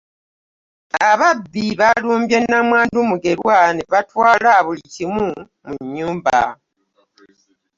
Ababbi baalumbye namwandu Mugerwa ne batwala buli kimu mu nnyumba.